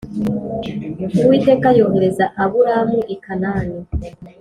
Uwiteka yohereza Aburamu i Kanani